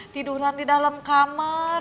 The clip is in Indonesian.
tidurnya di dalam kamar